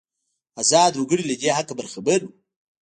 ازاد وګړي له دې حقه برخمن وو.